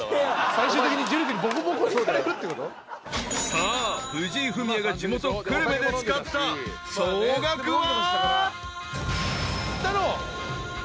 ［さあ藤井フミヤが地元久留米で使った総額は］